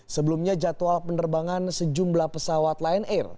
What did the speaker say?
sebelumnya jadwal penerbangan sejumlah pesawat lion air